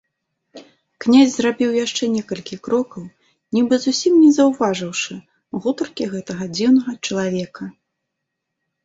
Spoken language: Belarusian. Князь зрабіў яшчэ некалькі крокаў, нібы зусім не заўважыўшы гутаркі гэтага дзіўнага чалавека.